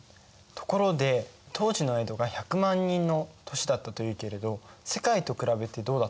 ところで当時の江戸が１００万人の都市だったというけれど世界と比べてどうだったんですか？